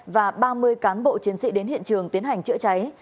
và ba mươi cán bộ chiến sĩ đến hiện trường tiến hành chữa cháy